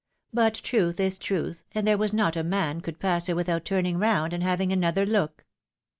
But truth is truth, and there was not a man could pass her without turning round, and having another look."